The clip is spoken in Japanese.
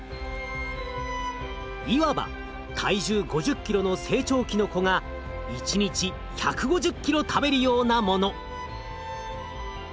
いわば体重５０ｋｇの成長期の子が一日１５０ｋｇ食べるようなもの。